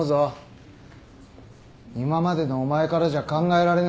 今までのお前からじゃ考えられない。